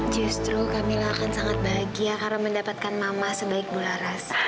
justru kamila akan sangat bahagia karena mendapatkan mama sebaik tante laras